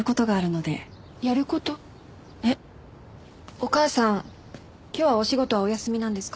お母さん今日はお仕事はお休みなんですか？